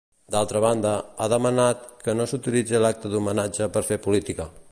D'altra banda, ha demanat que no s'utilitzi l'acte d'homenatge per fer política.